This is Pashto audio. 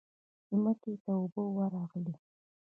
ځمکې ته اوبه ورغلې.